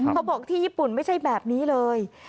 เขาบอกที่ญี่ปุ่นไม่ใช่แบบนี้เลย